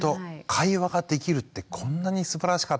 会話ができるってこんなにすばらしかったんだってね。